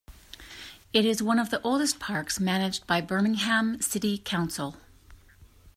It is one of the oldest parks managed by Birmingham City Council.